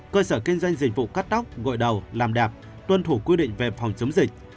cơ sở kinh doanh dịch vụ cắt tóc gội đầu làm đẹp tuân thủ quy định về phòng chống dịch